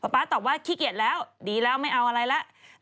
ป๊าตอบว่าขี้เกียจแล้วดีแล้วไม่เอาอะไรแล้ว